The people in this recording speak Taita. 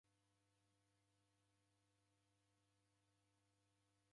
Iduka jake jengirilwa ni vitoi